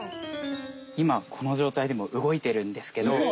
今このじょうたいでも動いてるんですけど。